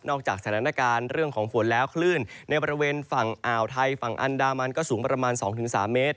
จากสถานการณ์เรื่องของฝนแล้วคลื่นในบริเวณฝั่งอ่าวไทยฝั่งอันดามันก็สูงประมาณ๒๓เมตร